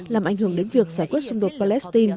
làm ảnh hưởng đến việc giải quyết xung đột palestine